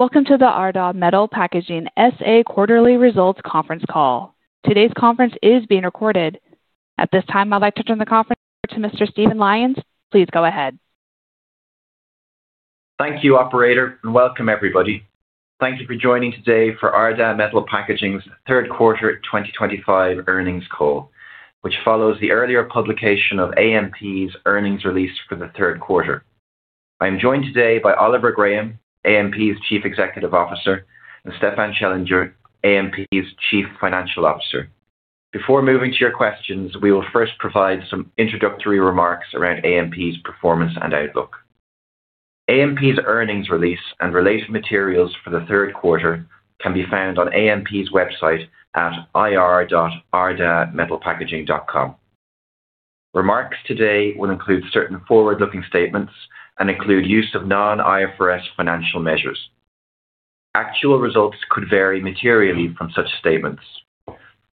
Welcome to the Ardagh Metal Packaging SA quarterly results conference call. Today's conference is being recorded. At this time, I'd like to turn the conference over to Mr. Stephen Lyons. Please go ahead. Thank you, operator, and welcome, everybody. Thank you for joining today for Ardagh Metal Packaging's third quarter 2025 earnings call, which follows the earlier publication of AMP's earnings release for the third quarter. I am joined today by Oliver Graham, AMP's Chief Executive Officer, and Stefan Schellinger, AMP's Chief Financial Officer. Before moving to your questions, we will first provide some introductory remarks around AMP's performance and outlook. AMP's earnings release and related materials for the third quarter can be found on AMP's website at ir.ardaghmetalpackaging.com. Remarks today will include certain forward-looking statements and include use of non-IFRS financial measures. Actual results could vary materially from such statements.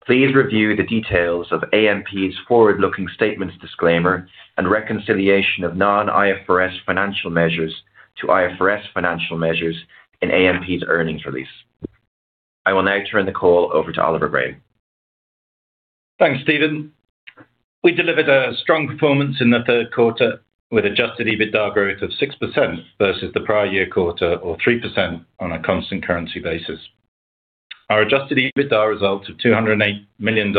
Please review the details of AMP's forward-looking statements disclaimer and reconciliation of non-IFRS financial measures to IFRS financial measures in AMP's earnings release. I will now turn the call over to Oliver Graham. Thanks, Stephen. We delivered a strong performance in the third quarter with adjusted EBITDA growth of 6% versus the prior year quarter or 3% on a constant currency basis. Our adjusted EBITDA result of $208 million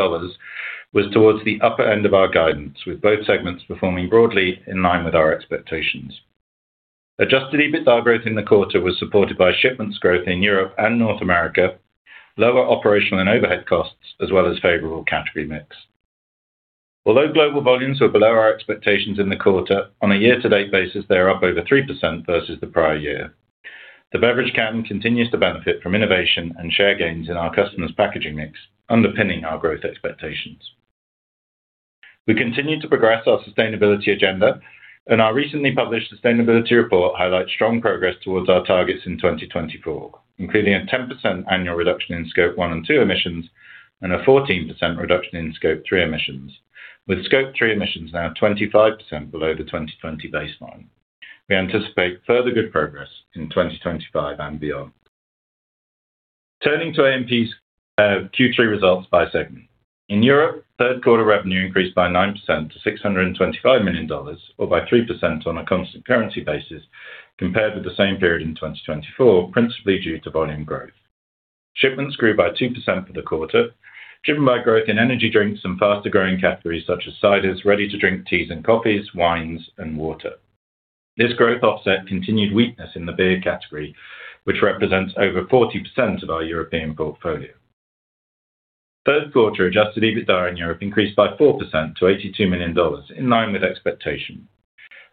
was towards the upper end of our guidance, with both segments performing broadly in line with our expectations. Adjusted EBITDA growth in the quarter was supported by shipments growth in Europe and North America, lower operational and overhead costs, as well as favorable category mix. Although global volumes were below our expectations in the quarter, on a year-to-date basis, they are up over 3% versus the prior year. The beverage can continues to benefit from innovation and share gains in our customers' packaging mix, underpinning our growth expectations. We continue to progress our sustainability agenda, and our recently published sustainability report highlights strong progress towards our targets in 2024, including a 10% annual reduction in Scope 1 and 2 emissions and a 14% reduction in Scope 3 emissions, with Scope 3 emissions now 25% below the 2020 baseline. We anticipate further good progress in 2025 and beyond. Turning to AMP's Q3 results by segment. In Europe, third quarter revenue increased by 9% to $625 million, or by 3% on a constant currency basis compared with the same period in 2024, principally due to volume growth. Shipments grew by 2% for the quarter, driven by growth in energy drinks and faster growing categories such as ciders, ready-to-drink teas and coffees, wines, and water. This growth offset continued weakness in the beer category, which represents over 40% of our European portfolio. Third quarter adjusted EBITDA in Europe increased by 4% to $82 million, in line with expectation.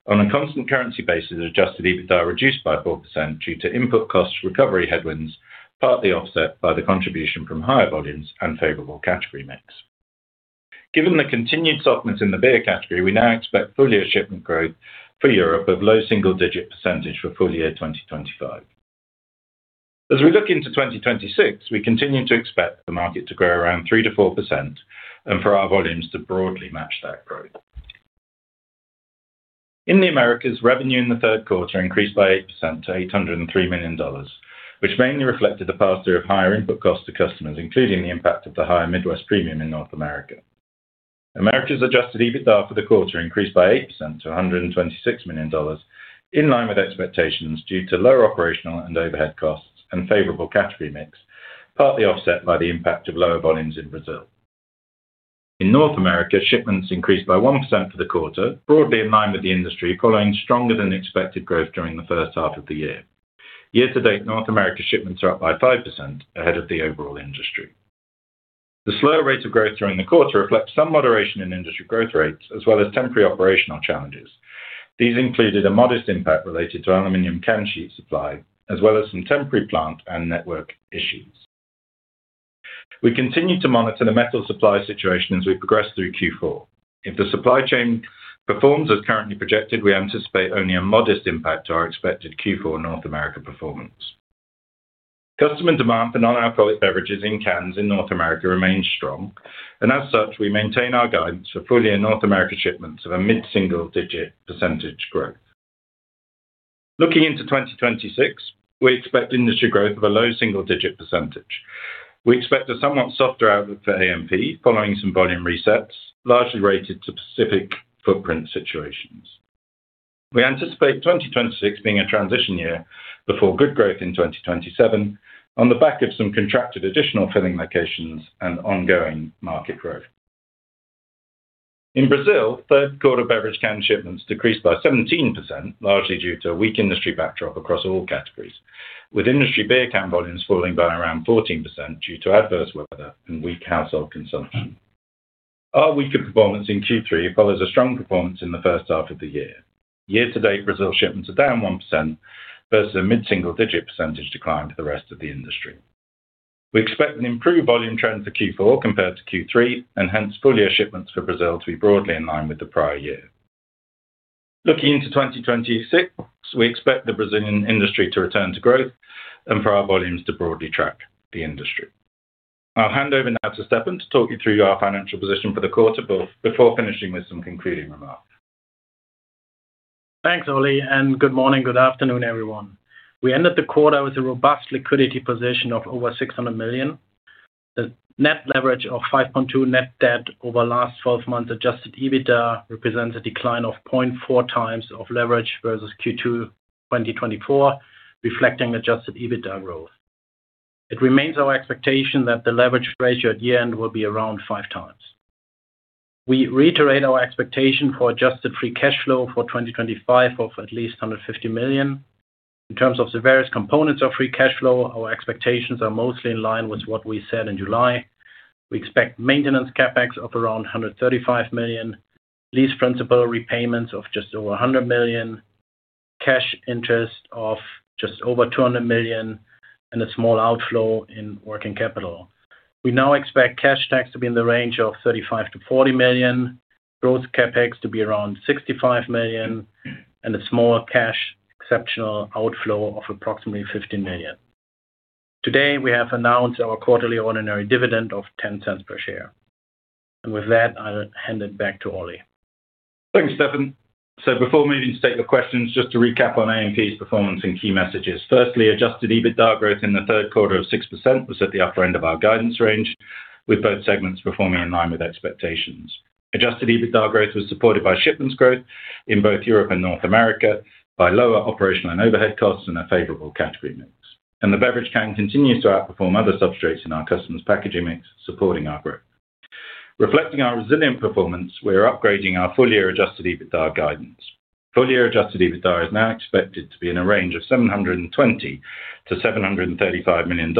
On a constant currency basis, adjusted EBITDA reduced by 4% due to input cost recovery headwinds, partly offset by the contribution from higher volumes and favorable category mix. Given the continued softness in the beer category, we now expect full-year shipment growth for Europe of low single-digit percentage for full-year 2025. As we look into 2026, we continue to expect the market to grow around 3%-4% and for our volumes to broadly match that growth. In the Americas, revenue in the third quarter increased by 8% to $803 million, which mainly reflected the pass-through of higher input costs to customers, including the impact of the higher Midwest premium in North America. Americas adjusted EBITDA for the quarter increased by 8% to $126 million, in line with expectations due to lower operational and overhead costs and favorable category mix, partly offset by the impact of lower volumes in Brazil. In North America, shipments increased by 1% for the quarter, broadly in line with the industry, following stronger than expected growth during the first half of the year. Year-to-date, North America shipments are up by 5% ahead of the overall industry. The slow rate of growth during the quarter reflects some moderation in industry growth rates, as well as temporary operational challenges. These included a modest impact related to aluminum can sheet supply, as well as some temporary plant and network issues. We continue to monitor the metal supply situation as we progress through Q4. If the supply chain performs as currently projected, we anticipate only a modest impact to our expected Q4 North America performance. Customer demand for non-alcoholic beverages in cans in North America remains strong, and as such, we maintain our guidance for full-year North America shipments of a mid-single-digit percentage growth. Looking into 2026, we expect industry growth of a low single-digit percentage. We expect a somewhat softer outlook for AMP, following some volume resets, largely related to specific footprint situations. We anticipate 2026 being a transition year before good growth in 2027, on the back of some contracted additional filling locations and ongoing market growth. In Brazil, third quarter beverage can shipments decreased by 17%, largely due to a weak industry backdrop across all categories, with industry beer can volumes falling by around 14% due to adverse weather and weak household consumption. Our weaker performance in Q3 follows a strong performance in the first half of the year. Year-to-date, Brazil shipments are down 1% versus a mid-single-digit percentage decline for the rest of the industry. We expect an improved volume trend for Q4 compared to Q3, and hence full-year shipments for Brazil to be broadly in line with the prior year. Looking into 2026, we expect the Brazilian industry to return to growth and for our volumes to broadly track the industry. I'll hand over now to Stefan to talk you through our financial position for the quarter, before finishing with some concluding remarks. Thanks, Ollie, and good morning, good afternoon, everyone. We ended the quarter with a robust liquidity position of over $600 million. The net leverage of 5.2x net debt over the last 12 months adjusted EBITDA represents a decline of 0.4x of leverage versus Q2 2024, reflecting adjusted EBITDA growth. It remains our expectation that the leverage ratio at year-end will be around 5x. We reiterate our expectation for adjusted free cash flow for 2025 of at least $150 million. In terms of the various components of free cash flow, our expectations are mostly in line with what we said in July. We expect maintenance CapEx of around $135 million, lease principal repayments of just over $100 million, cash interest of just over $200 million, and a small outflow in working capital. We now expect cash tax to be in the range of $35 million-$40 million, gross CapEx to be around $65 million, and a small cash exceptional outflow of approximately $15 million. Today, we have announced our quarterly ordinary dividend of $0.10 per share. With that, I'll hand it back to Ollie. Thanks, Stefan. Before moving to take your questions, just to recap on AMP's performance and key messages. Firstly, adjusted EBITDA growth in the third quarter of 6% was at the upper end of our guidance range, with both segments performing in line with expectations. Adjusted EBITDA growth was supported by shipments growth in both Europe and North America, by lower operational and overhead costs, and a favorable category mix. The beverage can continues to outperform other substrates in our customers' packaging mix, supporting our growth. Reflecting our resilient performance, we are upgrading our full-year adjusted EBITDA guidance. Full-year adjusted EBITDA is now expected to be in a range of $720 million-$735 million,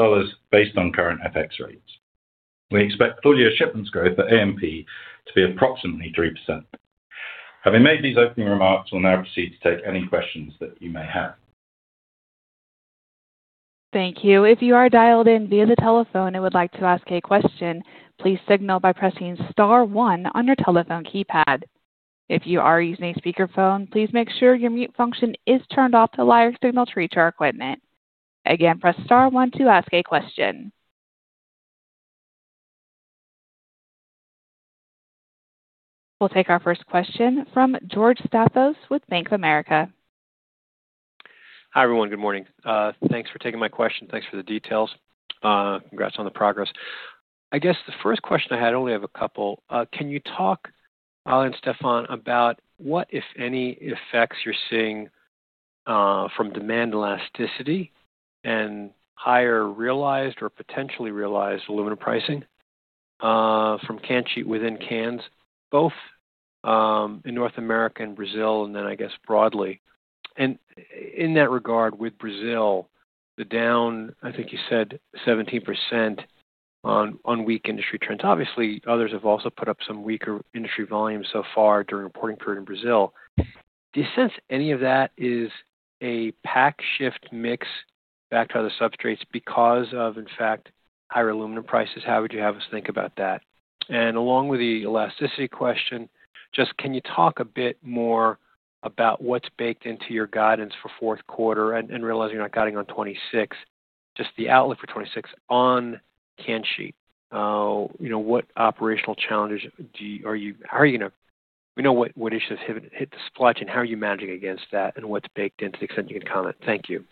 based on current FX rates. We expect full-year shipments growth for AMP to be approximately 3%. Having made these opening remarks, we'll now proceed to take any questions that you may have. Thank you. If you are dialed in via the telephone and would like to ask a question, please signal by pressing star one on your telephone keypad. If you are using a speaker phone, please make sure your mute function is turned off to allow your signal to reach our equipment. Again, press star one to ask a question. We'll take our first question from George Staphos with Bank of America. Hi, everyone. Good morning. Thanks for taking my question. Thanks for the details. Congrats on the progress. I guess the first question I had, I only have a couple. Can you talk, Ollie and Stefan, about what, if any, effects you're seeing from demand elasticity and higher realized or potentially realized aluminum pricing from can sheet within cans, both in North America and Brazil, and then I guess broadly? In that regard, with Brazil, the down, I think you said 17% on weak industry trends. Obviously, others have also put up some weaker industry volumes so far during the reporting period in Brazil. Do you sense any of that is a pack shift mix back to other substrates because of, in fact, higher aluminum prices? How would you have us think about that? Along with the elasticity question, just can you talk a bit more about what's baked into your guidance for fourth quarter and realizing you're not guiding on 2026, just the outlook for 2026 on can sheet? You know, what operational challenges do you, are you, how are you going to, we know what issues have hit the supply chain. How are you managing against that and what's baked into it, and if you can comment? Thank you.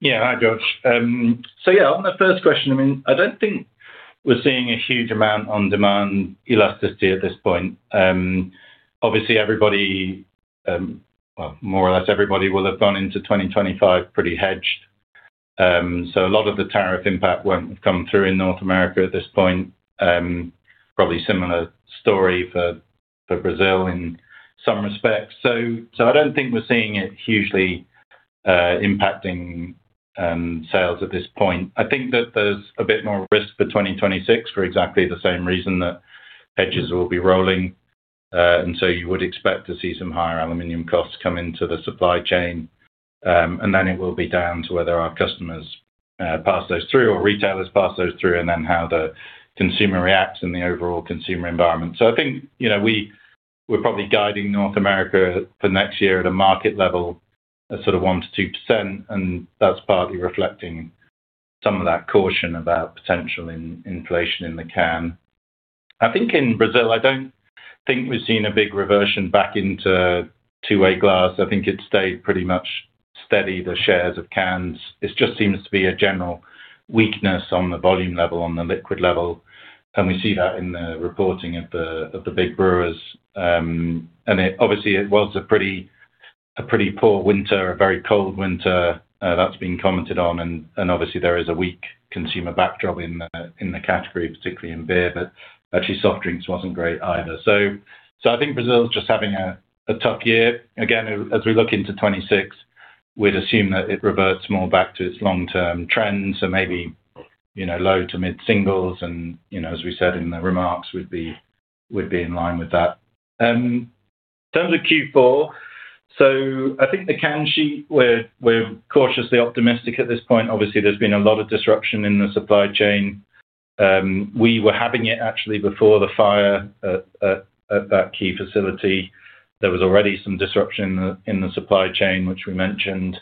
Yeah. Hi, George. On the first question, I don't think we're seeing a huge amount on demand elasticity at this point. Obviously, everybody, well, more or less everybody will have gone into 2025 pretty hedged. A lot of the tariff impact won't have come through in North America at this point. Probably a similar story for Brazil in some respects. I don't think we're seeing it hugely impacting sales at this point. I think that there's a bit more risk for 2026 for exactly the same reason that hedges will be rolling. You would expect to see some higher aluminum costs come into the supply chain. It will be down to whether our customers pass those through or retailers pass those through and then how the consumer reacts and the overall consumer environment. I think we're probably guiding North America for next year at a market level at sort of 1%-2%. That's partly reflecting some of that caution about potential inflation in the can. In Brazil, I don't think we've seen a big reversion back into two-way glass. I think it stayed pretty much steady, the shares of cans. It just seems to be a general weakness on the volume level, on the liquid level. We see that in the reporting of the big brewers. It was a pretty poor winter, a very cold winter. That's been commented on. There is a weak consumer backdrop in the category, particularly in beer. Actually, soft drinks wasn't great either. I think Brazil is just having a tough year. Again, as we look into 2026, we'd assume that it reverts more back to its long-term trends. Maybe, you know, low to mid-singles. As we said in the remarks, would be in line with that. In terms of Q4, I think the can sheet, we're cautiously optimistic at this point. There's been a lot of disruption in the supply chain. We were having it actually before the fire at that key facility. There was already some disruption in the supply chain, which we mentioned.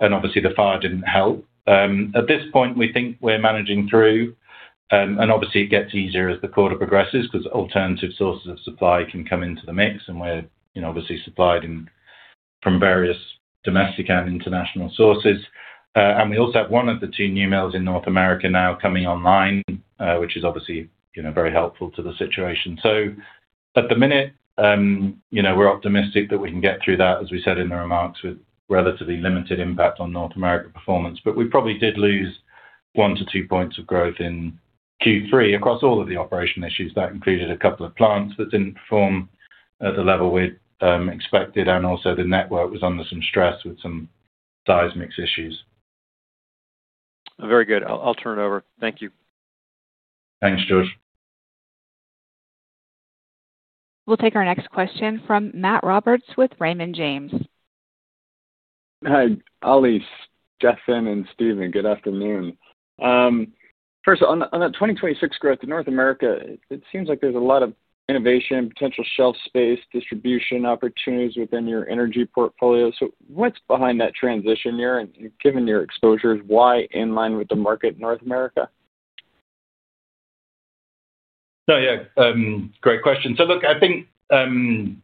The fire didn't help. At this point, we think we're managing through. It gets easier as the quarter progresses because alternative sources of supply can come into the mix. We're supplied from various domestic and international sources. We also have one of the two new mills in North America now coming online, which is very helpful to the situation. At the minute, you know, we're optimistic that we can get through that, as we said in the remarks, with relatively limited impact on North America performance. We probably did lose 1%-2% points of growth in Q3 across all of the operational issues. That included a couple of plants that didn't perform at the level we'd expected. Also, the network was under some stress with some seismic issues. Very good. I'll turn it over. Thank you. Thanks, George. We'll take our next question from Matt Roberts with Raymond James. Hi, Ollie, Stefan, and Stephen. Good afternoon. First, on that 2026 growth in North America, it seems like there's a lot of innovation, potential shelf space, distribution opportunities within your energy portfolio. What's behind that transition year? Given your exposures, why in line with the market in North America? Great question. I think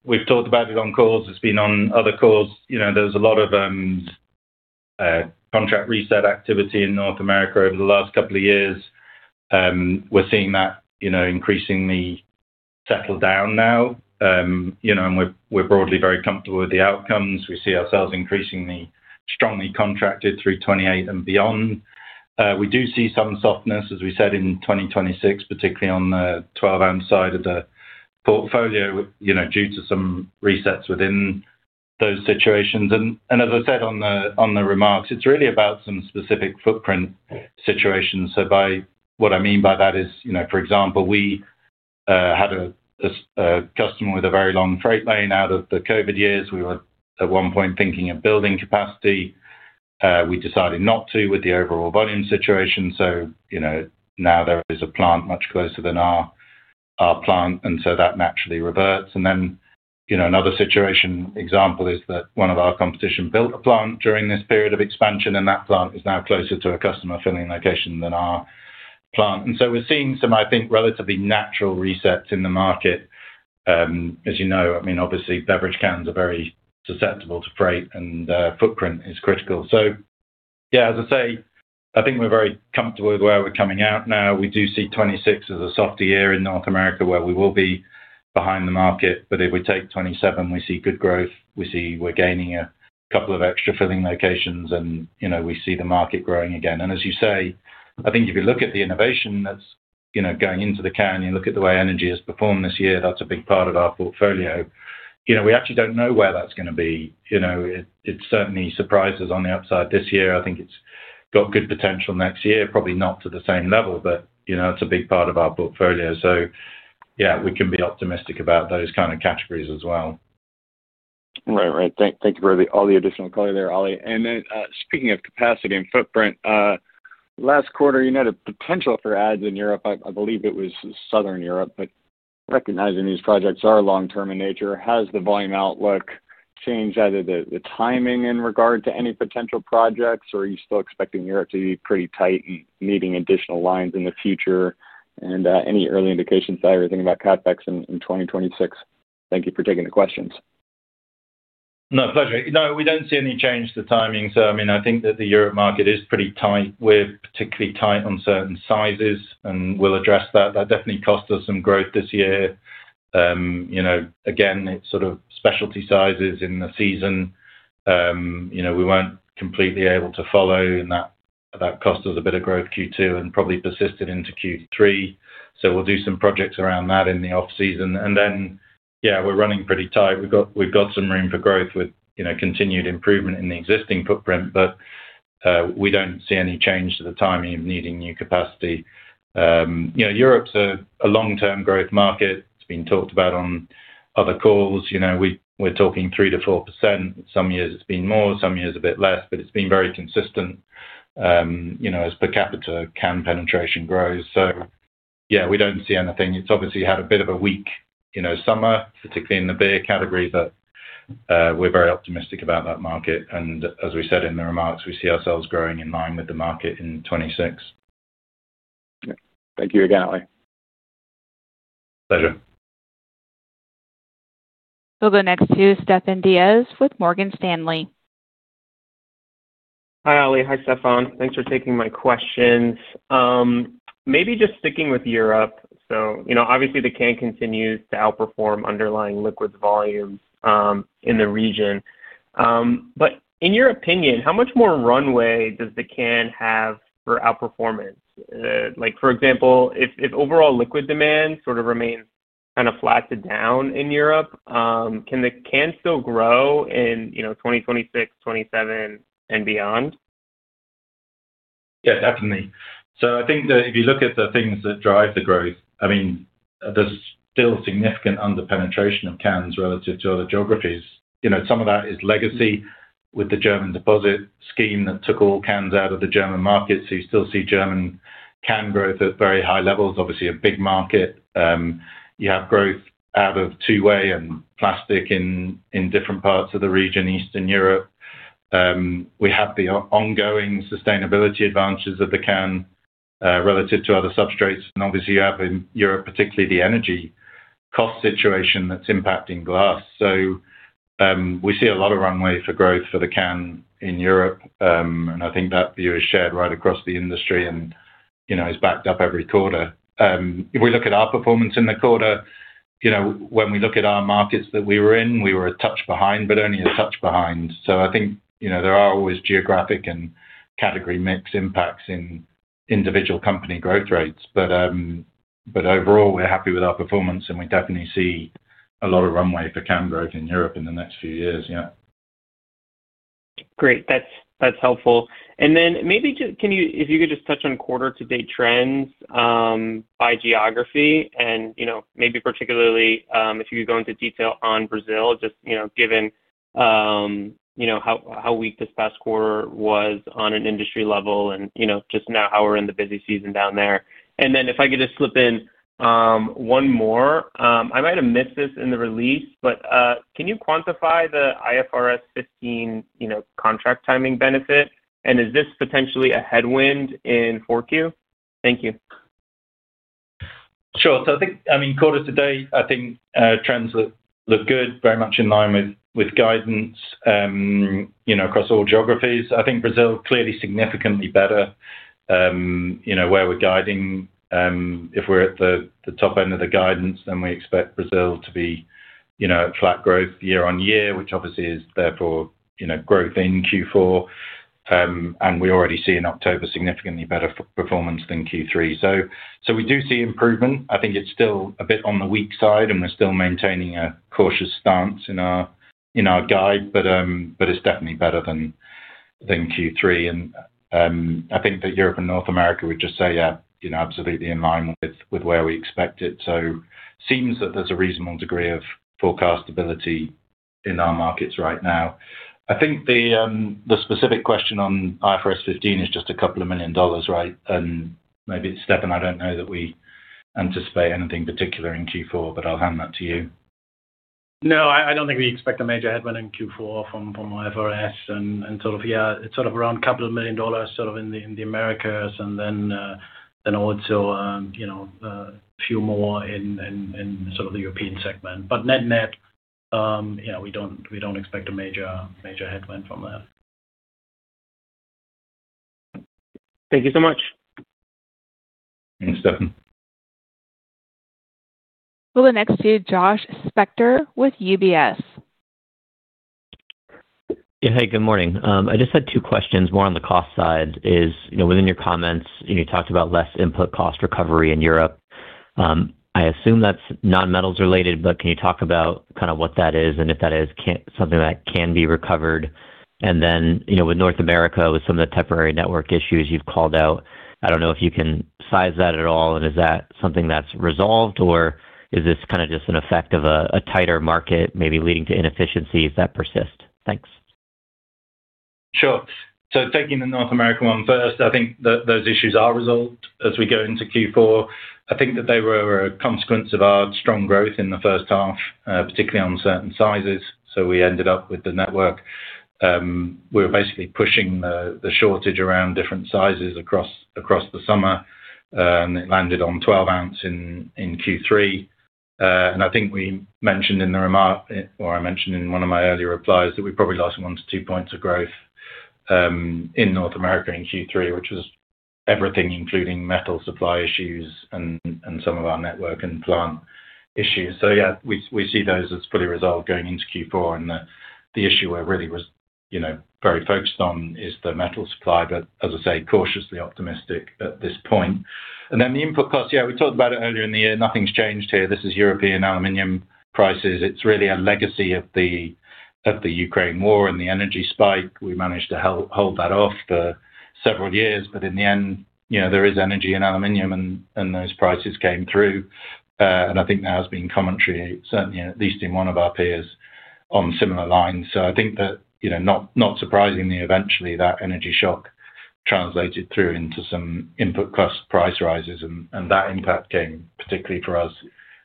we've talked about it on calls. It's been on other calls. There's a lot of contract reset activity in North America over the last couple of years. We're seeing that increasingly settle down now, and we're broadly very comfortable with the outcomes. We see ourselves increasingly strongly contracted through 2028 and beyond. We do see some softness, as we said, in 2026, particularly on the 12-ounce side of the portfolio due to some resets within those situations. As I said in the remarks, it's really about some specific footprint situations. What I mean by that is, for example, we had a customer with a very long freight lane out of the COVID years. We were at one point thinking of building capacity. We decided not to with the overall volume situation. Now there is a plant much closer than our plant, and that naturally reverts. Another situation example is that one of our competition built a plant during this period of expansion, and that plant is now closer to a customer filling location than our plant. We're seeing some relatively natural resets in the market. As you know, beverage cans are very susceptible to freight, and footprint is critical. I think we're very comfortable with where we're coming out now. We do see 2026 as a softer year in North America where we will be behind the market. If we take 2027, we see good growth. We see we're gaining a couple of extra filling locations, and we see the market growing again. If you look at the innovation that's going into the can, you look at the way energy has performed this year, that's a big part of our portfolio. We actually don't know where that's going to be. It certainly surprises on the upside this year. I think it's got good potential next year, probably not to the same level, but it's a big part of our portfolio. We can be optimistic about those kind of categories as well. Right. Thank you for all the additional color there, Ollie. Speaking of capacity and footprint, last quarter, you noted potential for adds in Europe. I believe it was Southern Europe. Recognizing these projects are long-term in nature, has the volume outlook changed either the timing in regard to any potential projects, or are you still expecting Europe to be pretty tight and needing additional lines in the future? Any early indications there or anything about CapEx in 2026? Thank you for taking the questions. No, pleasure. No, we don't see any change to timing. I think that the Europe market is pretty tight. We're particularly tight on certain sizes, and we'll address that. That definitely cost us some growth this year. Again, it's sort of specialty sizes in the season. We weren't completely able to follow, and that cost us a bit of growth Q2 and probably persisted into Q3. We'll do some projects around that in the off-season. We're running pretty tight. We've got some room for growth with continued improvement in the existing footprint. We don't see any change to the timing of needing new capacity. Europe's a long-term growth market. It's been talked about on other calls. We're talking 3%-4%. Some years it's been more, some years a bit less, but it's been very consistent as per capita can penetration grows. We don't see anything. It's obviously had a bit of a weak summer, particularly in the beer category, but we're very optimistic about that market. As we said in the remarks, we see ourselves growing in line with the market in 2026. Thank you again, Ollie. Pleasure. We'll go next to Stefan Diaz with Morgan Stanley. Hi, Ollie. Hi, Stefan. Thanks for taking my questions. Maybe just sticking with Europe. Obviously, the can continues to outperform underlying liquids volumes in the region. In your opinion, how much more runway does the can have for outperformance? For example, if overall liquid demand sort of remains kind of flat to down in Europe, can the can still grow in 2026, 2027, and beyond? Yeah, definitely. I think that if you look at the things that drive the growth, there's still significant underpenetration of cans relative to other geographies. Some of that is legacy with the German deposit scheme that took all cans out of the German markets. You still see German can growth at very high levels, obviously a big market. You have growth out of two-way and plastic in different parts of the region, Eastern Europe. We have the ongoing sustainability advantages of the can relative to other substrates. Obviously, you have in Europe, particularly the energy cost situation that's impacting glass. We see a lot of runway for growth for the can in Europe. I think that view is shared right across the industry and is backed up every quarter. If we look at our performance in the quarter, when we look at our markets that we were in, we were a touch behind, but only a touch behind. I think there are always geographic and category mix impacts in individual company growth rates. Overall, we're happy with our performance, and we definitely see a lot of runway for can growth in Europe in the next few years. Yeah. Great. That's helpful. If you could just touch on quarter-to-date trends by geography, and maybe particularly if you could go into detail on Brazil, just given how weak this past quarter was on an industry level and just now how we're in the busy season down there. If I could just slip in one more, I might have missed this in the release, but can you quantify the IFRS 15 contract timing benefit? Is this potentially a headwind in 4Q? Thank you. Sure. I think, quarter-to-date, trends look good, very much in line with guidance across all geographies. I think Brazil clearly significantly better where we're guiding. If we're at the top end of the guidance, then we expect Brazil to be at flat growth year on year, which obviously is therefore growth in Q4. We already see in October significantly better performance than Q3. We do see improvement. I think it's still a bit on the weak side, and we're still maintaining a cautious stance in our guide, but it's definitely better than Q3. I think that Europe and North America would just say, yeah, absolutely in line with where we expect it. It seems that there's a reasonable degree of forecastability in our markets right now. I think the specific question on IFRS 15 is just a couple of million dollars, right? Maybe it's Stefan. I don't know that we anticipate anything particular in Q4, but I'll hand that to you. No, I don't think we expect a major headwind in Q4 from IFRS. It's around a couple of million dollars in the Americas, and then also a few more in the European segment. Net-net, we don't expect a major headwind from that. Thank you so much. Thanks, Stefan. We'll go next to Josh Spector with UBS. Yeah. Hey, good morning. I just had two questions, more on the cost side. Within your comments, you talked about less input cost recovery in Europe. I assume that's non-metals related, but can you talk about kind of what that is and if that is something that can be recovered? With North America, with some of the temporary network issues you've called out, I don't know if you can size that at all. Is that something that's resolved, or is this kind of just an effect of a tighter market maybe leading to inefficiencies that persist? Thanks. Sure. Taking the North American one first, I think that those issues are resolved as we go into Q4. I think that they were a consequence of our strong growth in the first half, particularly on certain sizes. We ended up with the network. We were basically pushing the shortage around different sizes across the summer, and it landed on 12 ounce in Q3. I think we mentioned in the remark, or I mentioned in one of my earlier replies, that we probably lost 1%-2% points of growth in North America in Q3, which was everything, including metal supply issues and some of our network and plant issues. We see those as fully resolved going into Q4. The issue we're really very focused on is the metal supply. As I say, cautiously optimistic at this point. The input costs, we talked about it earlier in the year. Nothing's changed here. This is European aluminum prices. It's really a legacy of the Ukraine war and the energy spike. We managed to hold that off for several years. In the end, there is energy in aluminum, and those prices came through. I think there has been commentary, certainly at least in one of our peers, on similar lines. Not surprisingly, eventually, that energy shock translated through into some input cost price rises. That impact came, particularly for us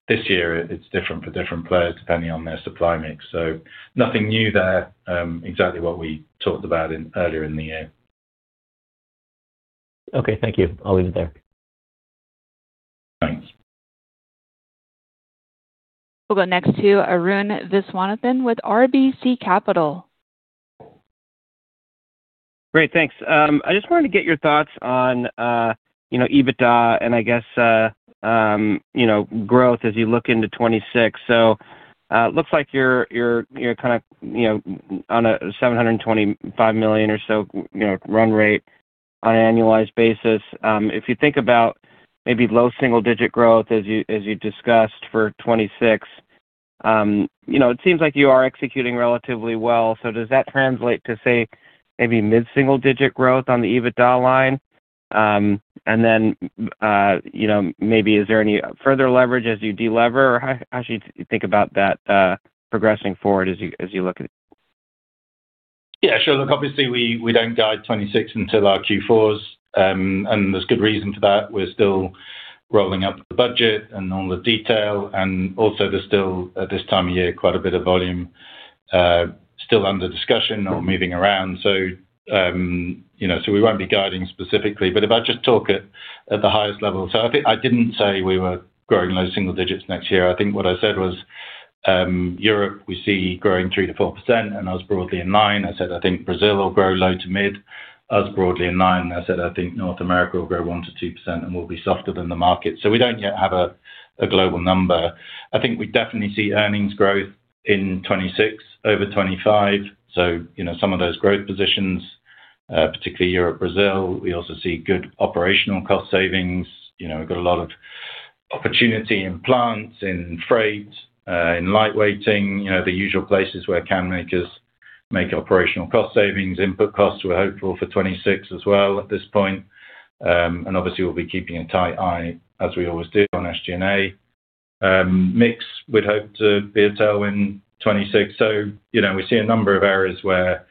this year. It's different for different players depending on their supply mix. Nothing new there, exactly what we talked about earlier in the year. Okay. Thank you. I'll leave it there. Thanks. We'll go next to Arun Viswanathan with RBC Capital. Great. Thanks. I just wanted to get your thoughts on EBITDA and, I guess, growth as you look into 2026. It looks like you're kind of on a $725 million or so run rate on an annualized basis. If you think about maybe low single-digit growth, as you discussed, for 2026, it seems like you are executing relatively well. Does that translate to, say, maybe mid-single-digit growth on the EBITDA line? Is there any further leverage as you de-lever? How should you think about that progressing forward as you look at it? Yeah. Sure. Obviously, we don't guide 2026 until our Q4s, and there's good reason for that. We're still rolling up the budget and all the detail. Also, there's still, at this time of year, quite a bit of volume still under discussion or moving around. We won't be guiding specifically. If I just talk at the highest level, I didn't say we were growing low single digits next year. I think what I said was, Europe, we see growing 3%-4%, and I was broadly in line. I said I think Brazil will grow low to mid, I was broadly in line. I said I think North America will grow 1%-2% and will be softer than the market. We don't yet have a global number. I think we definitely see earnings growth in 2026 over 2025. Some of those growth positions, particularly Europe-Brazil, we also see good operational cost savings. We've got a lot of opportunity in plants, in freight, in lightweighting, the usual places where can makers make operational cost savings. Input costs, we're hopeful for 2026 as well at this point. Obviously, we'll be keeping a tight eye, as we always do, on SG&A mix. We'd hope to be a tailwind 2026. We see a number of areas where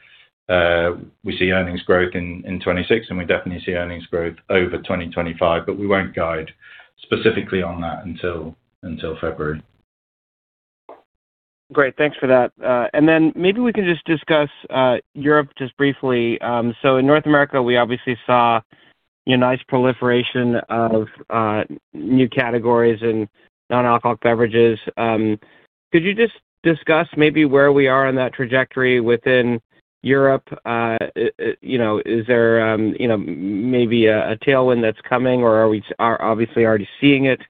we see earnings growth in 2026, and we definitely see earnings growth over 2025. We won't guide specifically on that until February. Great. Thanks for that. Maybe we can just discuss Europe briefly. In North America, we obviously saw nice proliferation of new categories in non-alcoholic beverages. Could you just discuss maybe where we are on that trajectory within Europe? Is there maybe a tailwind that's coming, or are we obviously already seeing it?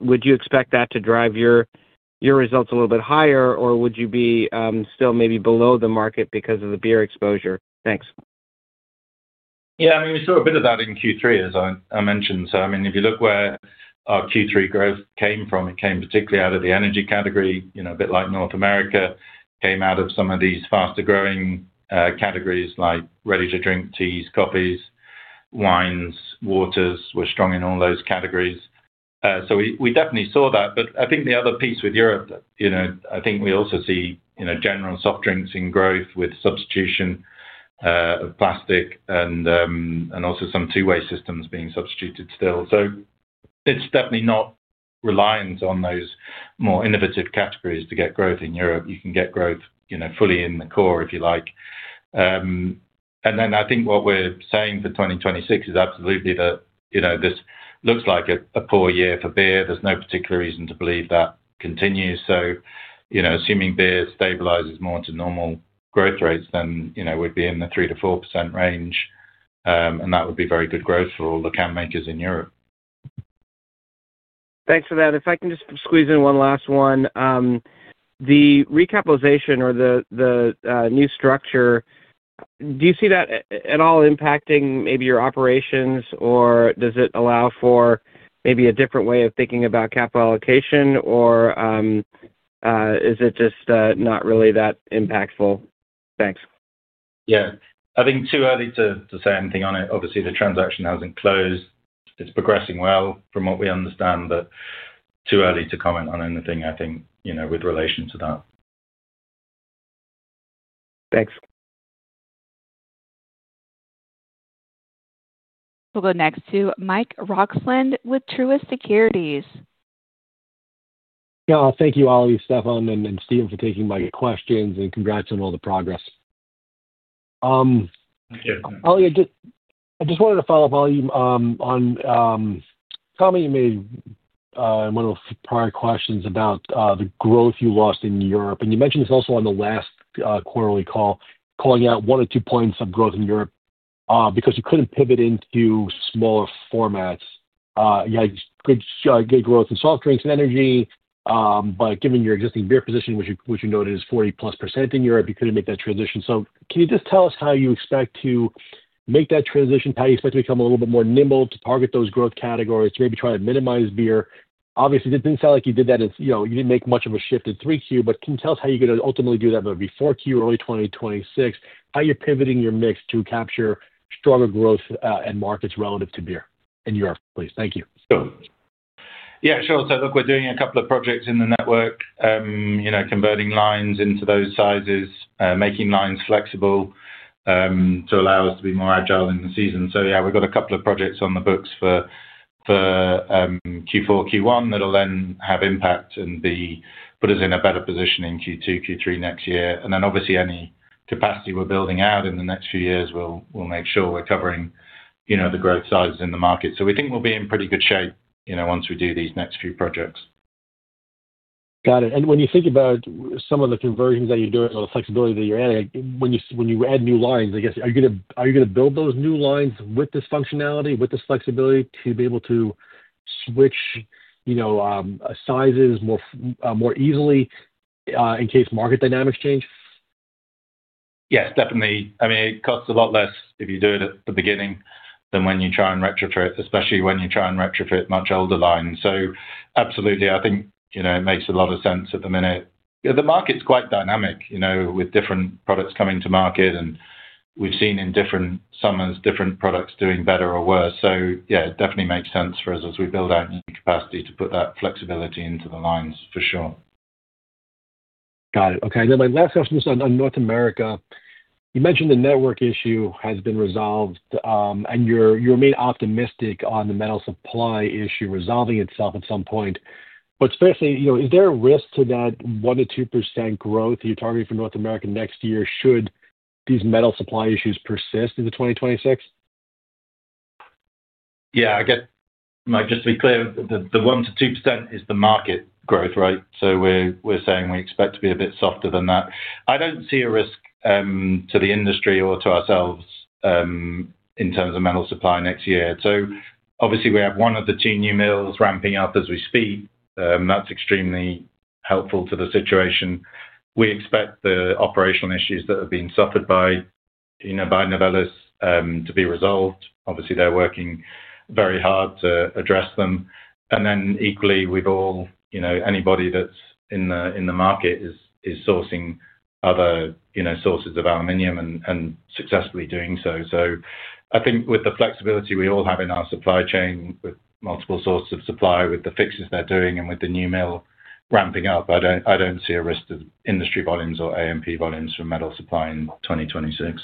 Would you expect that to drive your results a little bit higher, or would you be still maybe below the market because of the beer exposure? Thanks. Yeah. I mean, we saw a bit of that in Q3, as I mentioned. If you look where our Q3 growth came from, it came particularly out of the energy category, you know, a bit like North America. It came out of some of these faster growing categories like ready-to-drink teas, coffees, wines, waters. We're strong in all those categories. We definitely saw that. I think the other piece with Europe, I think we also see general soft drinks in growth with substitution of plastic and also some two-way systems being substituted still. It's definitely not reliant on those more innovative categories to get growth in Europe. You can get growth fully in the core if you like. I think what we're saying for 2026 is absolutely that this looks like a poor year for beer. There's no particular reason to believe that continues. Assuming beer stabilizes more to normal growth rates, then we'd be in the 3%-4% range. That would be very good growth for all the can makers in Europe. Thanks for that. If I can just squeeze in one last one, the recapitalization or the new structure, do you see that at all impacting maybe your operations, or does it allow for maybe a different way of thinking about capital allocation, or is it just not really that impactful? Thanks. I think too early to say anything on it. Obviously, the transaction hasn't closed. It's progressing well from what we understand, but too early to comment on anything, I think, you know, with relation to that. Thanks. We'll go next to Mike Roxland with Truist Securities. Yeah. Thank you, Oliver, Stefan, and Stephen for taking my questions, and congrats on all the progress. Thank you. Ollie, I just wanted to follow up on a comment you made in one of the prior questions about the growth you lost in Europe. You mentioned this also on the last quarterly call, calling out 1%-2% points of growth in Europe because you couldn't pivot into smaller formats. You had good growth in soft drinks and energy. Given your existing beer position, which you noted is 40%+ in Europe, you couldn't make that transition. Can you just tell us how you expect to make that transition? How do you expect to become a little bit more nimble to target those growth categories, to maybe try to minimize beer? Obviously, it didn't sound like you did that as you know, you didn't make much of a shift in 3Q, but can you tell us how you're going to ultimately do that, whether it be 4Q or early 2026? How are you pivoting your mix to capture stronger growth and markets relative to beer in Europe, please? Thank you. Sure. Yeah. Sure. Look, we're doing a couple of projects in the network, converting lines into those sizes, making lines flexible to allow us to be more agile in the season. We've got a couple of projects on the books for Q4, Q1 that will then have impact and put us in a better position in Q2, Q3 next year. Obviously, any capacity we're building out in the next few years, we'll make sure we're covering the growth sizes in the market. We think we'll be in pretty good shape once we do these next few projects. Got it. When you think about some of the conversions that you're doing or the flexibility that you're adding, when you add new lines, I guess, are you going to build those new lines with this functionality, with this flexibility to be able to switch sizes more easily in case market dynamics change? Yes, definitely. I mean, it costs a lot less if you do it at the beginning than when you try and retrofit, especially when you try and retrofit much older lines. Absolutely, I think it makes a lot of sense at the minute. The market's quite dynamic, with different products coming to market. We've seen in different summers, different products doing better or worse. It definitely makes sense for us as we build out new capacity to put that flexibility into the lines for sure. Got it. Okay. My last question is on North America. You mentioned the network issue has been resolved, and you remain optimistic on the metal supply issue resolving itself at some point. Especially, you know, is there a risk to that 1%-2% growth that you're targeting for North America next year should these metal supply issues persist into 2026? Yeah. I guess, Mike, just to be clear, the 1%-2% is the market growth, right? We're saying we expect to be a bit softer than that. I don't see a risk to the industry or to ourselves in terms of metal supply next year. We have one of the two new mills ramping up as we speak. That's extremely helpful to the situation. We expect the operational issues that have been suffered by Novelis to be resolved. They're working very hard to address them. Equally, anybody that's in the market is sourcing other sources of aluminum and successfully doing so. I think with the flexibility we all have in our supply chain with multiple sources of supply, with the fixes they're doing, and with the new mill ramping up, I don't see a risk of industry volumes or AMP volumes from metal supply in 2026.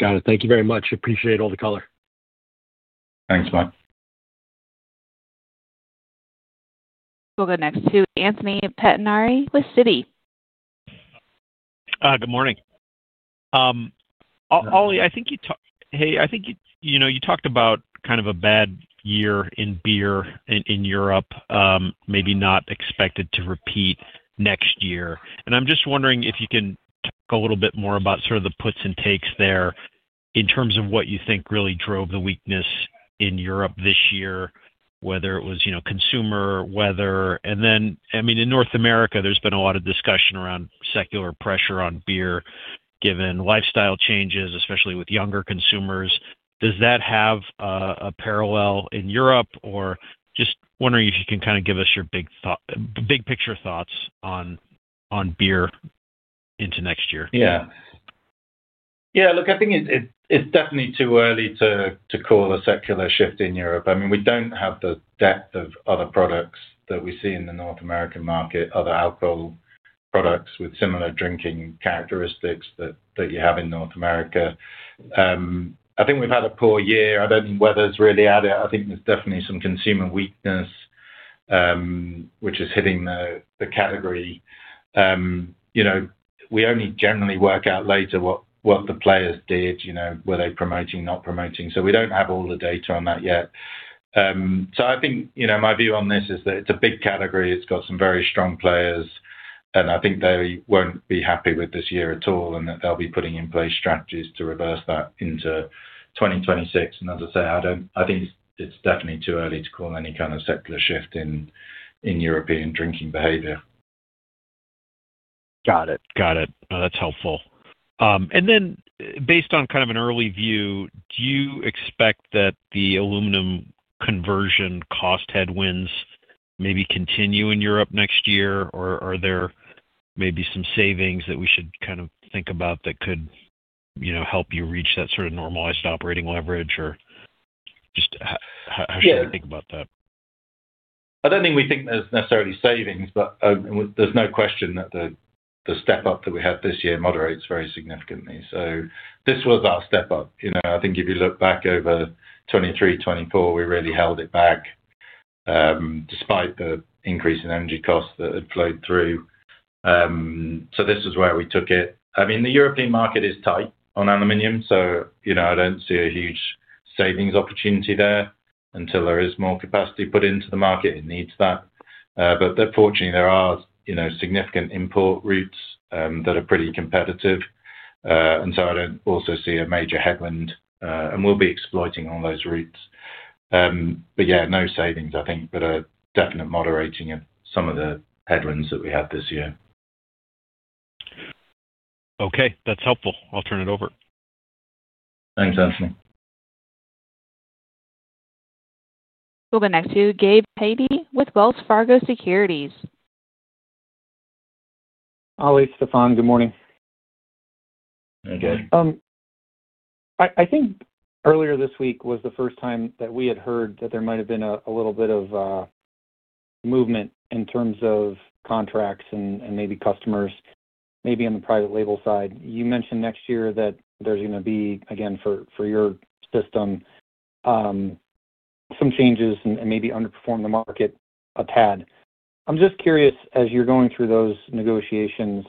Got it. Thank you very much. Appreciate all the color. Thanks, Mike. We'll go next to Anthony Pettinari with Citi. Good morning. Ollie, I think you talked about kind of a bad year in beer in Europe, maybe not expected to repeat next year. I'm just wondering if you can talk a little bit more about the puts and takes there in terms of what you think really drove the weakness in Europe this year, whether it was, you know, consumer weather. In North America, there's been a lot of discussion around secular pressure on beer given lifestyle changes, especially with younger consumers. Does that have a parallel in Europe? I'm just wondering if you can give us your big picture thoughts on beer into next year. Yeah. Look, I think it's definitely too early to call a secular shift in Europe. I mean, we don't have the depth of other products that we see in the North American market, other alcohol products with similar drinking characteristics that you have in North America. I think we've had a poor year. I don't think weather's really added. I think there's definitely some consumer weakness, which is hitting the category. We only generally work out later what the players did, you know, were they promoting, not promoting. We don't have all the data on that yet. I think my view on this is that it's a big category. It's got some very strong players. I think they won't be happy with this year at all and that they'll be putting in place strategies to reverse that into 2026. As I say, I think it's definitely too early to call any kind of secular shift in European drinking behavior. Got it. No, that's helpful. Based on kind of an early view, do you expect that the aluminum conversion cost headwinds maybe continue in Europe next year, or are there maybe some savings that we should kind of think about that could help you reach that sort of normalized operating leverage? Just how should we think about that? I don't think we think there's necessarily savings, but there's no question that the step up that we had this year moderates very significantly. This was our step up. If you look back over 2023, 2024, we really held it back despite the increase in energy costs that had flowed through. This was where we took it. The European market is tight on aluminum. I don't see a huge savings opportunity there until there is more capacity put into the market. It needs that. Fortunately, there are significant import routes that are pretty competitive, so I don't also see a major headwind. We'll be exploiting all those routes. No savings, I think, but a definite moderating of some of the headwinds that we had this year. Okay, that's helpful. I'll turn it over. Thanks, Anthony. We'll go next to Gabe Hajde with Wells Fargo Securities. Ollie, Stefan, good morning. Hi, Gabe. I think earlier this week was the first time that we had heard that there might have been a little bit of movement in terms of contracts and maybe customers, maybe on the private label side. You mentioned next year that there's going to be, again, for your system, some changes and maybe underperform the market a tad. I'm just curious, as you're going through those negotiations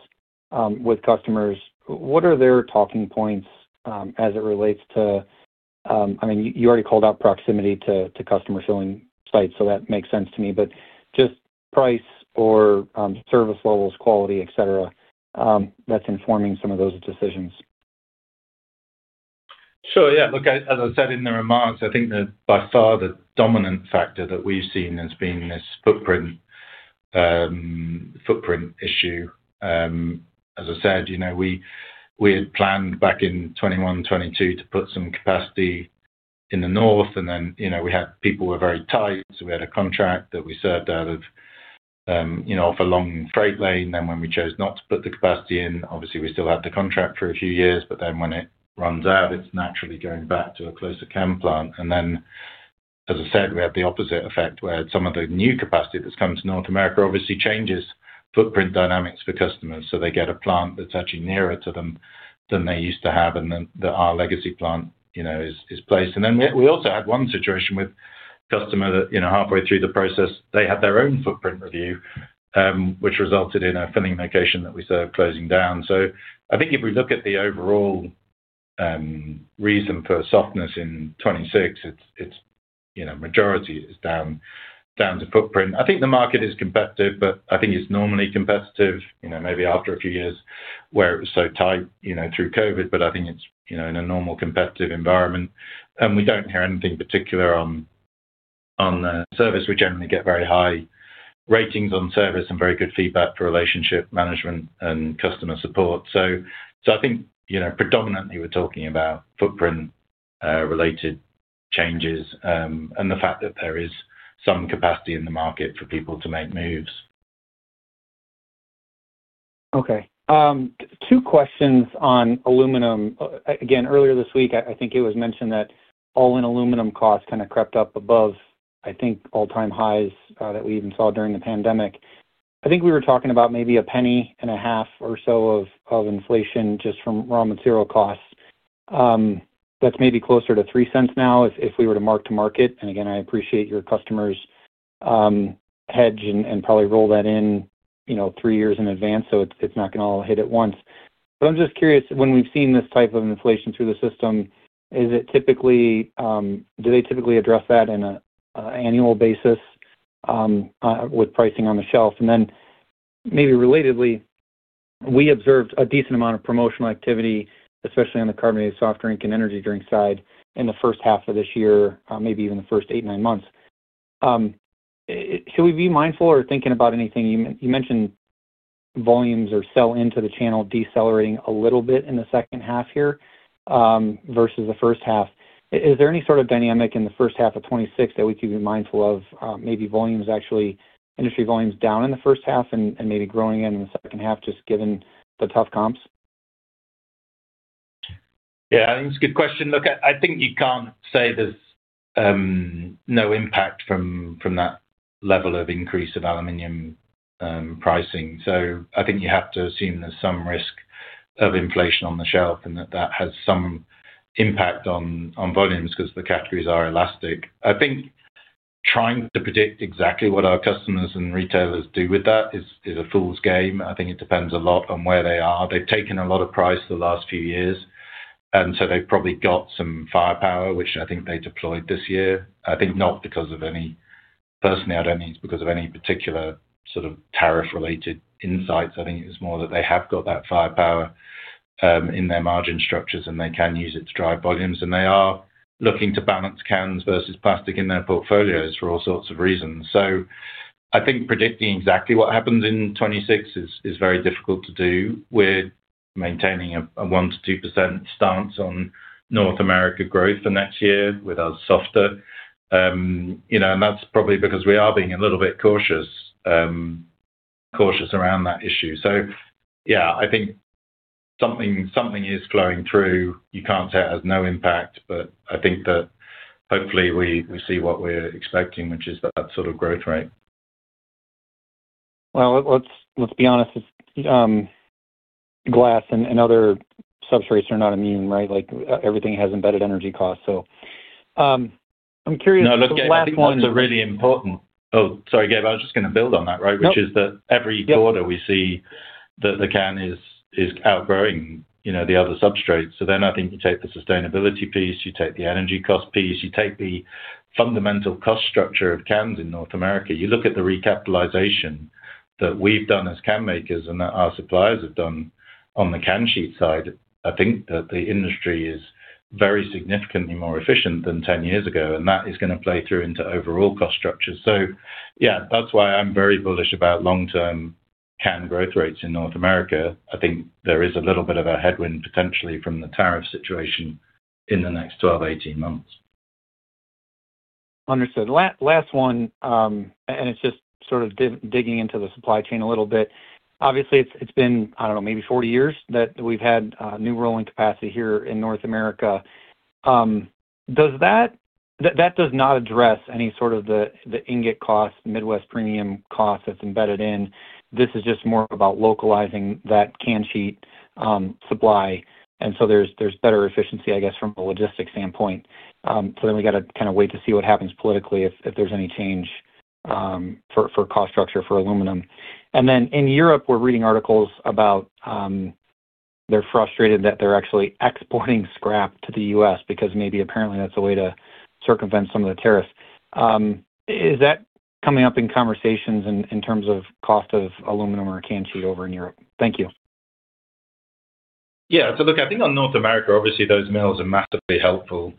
with customers, what are their talking points as it relates to, I mean, you already called out proximity to customer filling sites, so that makes sense to me. Just price or service levels, quality, etc., that's informing some of those decisions. Sure. Yeah. Look, as I said in the remarks, I think that by far the dominant factor that we've seen has been this footprint issue. As I said, we had planned back in 2021, 2022 to put some capacity in the north. We had people who were very tight, so we had a contract that we served out of, off a long freight lane. When we chose not to put the capacity in, obviously, we still had the contract for a few years. When it runs out, it's naturally going back to a closer can plant. As I said, we had the opposite effect where some of the new capacity that's come to North America obviously changes footprint dynamics for customers. They get a plant that's actually nearer to them than they used to have. Our legacy plant is placed. We also had one situation with a customer that, halfway through the process, they had their own footprint review, which resulted in a filling location that we saw closing down. I think if we look at the overall reason for softness in 2026, the majority is down to footprint. I think the market is competitive, but I think it's normally competitive, maybe after a few years where it was so tight through COVID. I think it's in a normal competitive environment. We don't hear anything particular on the service. We generally get very high ratings on service and very good feedback for relationship management and customer support. I think predominantly, we're talking about footprint-related changes and the fact that there is some capacity in the market for people to make moves. Okay. Two questions on aluminum. Earlier this week, I think it was mentioned that all-in aluminum costs kind of crept up above, I think, all-time highs that we even saw during the pandemic. I think we were talking about maybe $0.015 or so of inflation just from raw material costs. That's maybe closer to $0.03 now if we were to mark to market. I appreciate your customers hedge and probably roll that in, you know, three years in advance. It's not going to all hit at once. I'm just curious, when we've seen this type of inflation through the system, do they typically address that on an annual basis with pricing on the shelf? Relatedly, we observed a decent amount of promotional activity, especially on the carbonated soft drink and energy drink side in the first half of this year, maybe even the first eight, nine months. Should we be mindful or thinking about anything? You mentioned volumes or sell into the channel decelerating a little bit in the second half here versus the first half. Is there any sort of dynamic in the first half of 2026 that we could be mindful of, maybe volumes actually, industry volumes down in the first half and maybe growing again in the second half, just given the tough comps? Yeah. I think it's a good question. Look, I think you can't say there's no impact from that level of increase of aluminum pricing. I think you have to assume there's some risk of inflation on the shelf and that that has some impact on volumes because the categories are elastic. I think trying to predict exactly what our customers and retailers do with that is a fool's game. I think it depends a lot on where they are. They've taken a lot of price the last few years, and they've probably got some firepower, which I think they deployed this year. I think not because of any, personally, I don't think it's because of any particular sort of tariff-related insights. I think it's more that they have got that firepower in their margin structures, and they can use it to drive volumes. They are looking to balance cans versus plastic in their portfolios for all sorts of reasons. I think predicting exactly what happens in 2026 is very difficult to do. We're maintaining a 1%-2% stance on North America growth for next year with us softer. You know, and that's probably because we are being a little bit cautious around that issue. Yeah, I think something is flowing through. You can't say it has no impact, but I think that hopefully we see what we're expecting, which is that sort of growth rate. Glass and other substrates are not immune, right? Like everything has embedded energy costs. I'm curious. No, the last points are really important. Sorry, Gabe, I was just going to build on that, which is that every quarter we see that the can is outgrowing the other substrates. I think you take the sustainability piece, you take the energy cost piece, you take the fundamental cost structure of cans in North America. You look at the recapitalization that we've done as can makers and that our suppliers have done on the can sheet side. I think that the industry is very significantly more efficient than 10 years ago, and that is going to play through into overall cost structures. That's why I'm very bullish about long-term can growth rates in North America. I think there is a little bit of a headwind potentially from the tariff situation in the next 12-18 months. Understood. Last one, and it's just sort of digging into the supply chain a little bit. Obviously, it's been, I don't know, maybe 40 years that we've had new rolling capacity here in North America. That does not address any sort of the ingot cost, Midwest premium cost that's embedded in. This is just more about localizing that can sheet supply, and there's better efficiency, I guess, from a logistics standpoint. We have to wait to see what happens politically if there's any change for cost structure for aluminum. In Europe, we're reading articles about how they're frustrated that they're actually exporting scrap to the U.S. because apparently that's a way to circumvent some of the tariffs. Is that coming up in conversations in terms of cost of aluminum or can sheet over in Europe? Thank you. Yeah. So look, I think on North America, obviously, those mills are massively helpful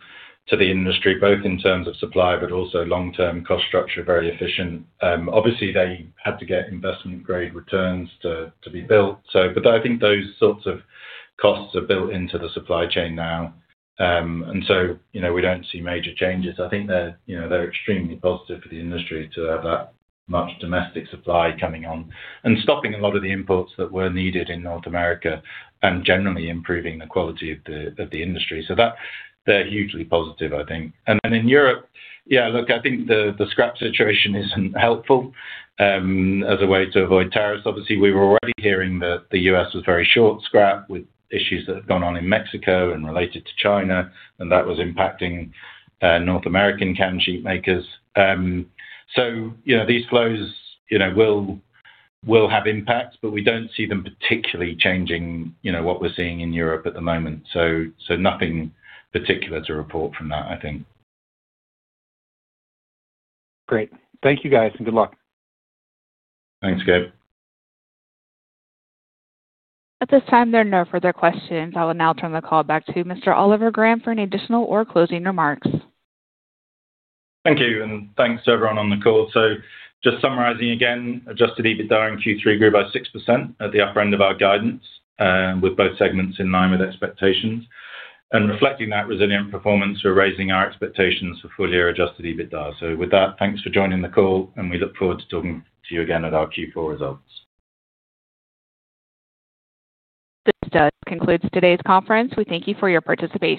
to the industry, both in terms of supply, but also long-term cost structure, very efficient. Obviously, they had to get investment-grade returns to be built. I think those sorts of costs are built into the supply chain now, and we don't see major changes. I think they're extremely positive for the industry to have that much domestic supply coming on and stopping a lot of the imports that were needed in North America and generally improving the quality of the industry. They're hugely positive, I think. In Europe, yeah, look, I think the scrap situation isn't helpful as a way to avoid tariffs. Obviously, we were already hearing that the U.S. was very short scrap with issues that have gone on in Mexico and related to China, and that was impacting North American can sheet makers. These flows will have impacts, but we don't see them particularly changing what we're seeing in Europe at the moment. Nothing particular to report from that, I think. Great. Thank you, guys, and good luck. Thanks, Gabe. At this time, there are no further questions. I will now turn the call back to Mr. Oliver Graham for any additional or closing remarks. Thank you. Thanks to everyone on the call. Just summarizing again, adjusted EBITDA in Q3 grew by 6% at the upper end of our guidance, with both segments in line with expectations. Reflecting that resilient performance, we're raising our expectations for full-year adjusted EBITDA. Thanks for joining the call, and we look forward to talking to you again at our Q4 results. This does conclude today's conference. We thank you for your participation.